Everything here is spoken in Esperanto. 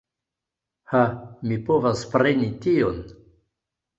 Ha, mi povas preni tion!